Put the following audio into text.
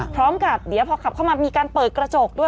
พร้อมกับเดี๋ยวพอขับเข้ามามีการเปิดกระจกด้วย